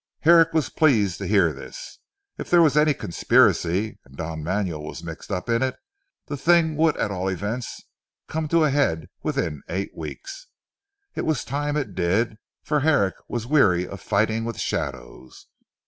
Herrick was pleased to hear this. If there was any conspiracy, and Don Manuel was mixed up in it, the thing would at all events come to a head within eight weeks. It was time it did, for Herrick was weary of fighting with shadows.